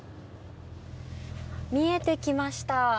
見えてきました。